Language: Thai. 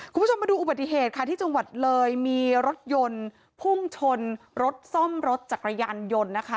คุณผู้ชมมาดูอุบัติเหตุค่ะที่จังหวัดเลยมีรถยนต์พุ่งชนรถซ่อมรถจักรยานยนต์นะคะ